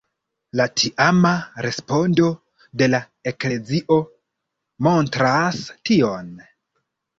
La tiama respondo de la eklezio montras tion.